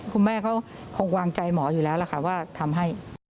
คุณแม่เขาคงวางใจหมออยู่แล้วล่ะค่ะว่าทำให้